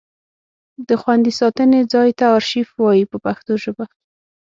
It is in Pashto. د خوندي ساتنې ځای ته ارشیف وایي په پښتو ژبه.